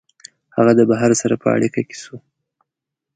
هغه د بهر سره په اړیکه کي سو